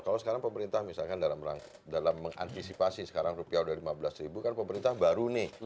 kalau sekarang pemerintah misalkan dalam mengantisipasi sekarang rupiah sudah lima belas ribu kan pemerintah baru nih